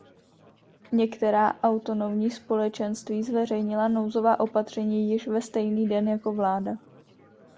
Některá autonomní společenství zveřejnila nouzová opatření již ve stejný den jako vláda.